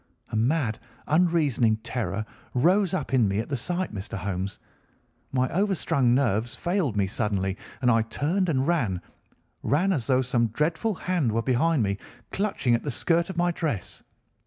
A mad, unreasoning terror rose up in me at the sight, Mr. Holmes. My overstrung nerves failed me suddenly, and I turned and ran—ran as though some dreadful hand were behind me clutching at the skirt of my dress.